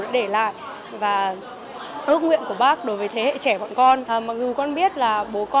để cho bố có thể yên tâm công tác